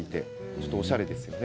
ちょっとおしゃれですよね。